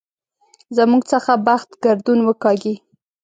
زموږ څخه بخت ګردون وکاږي.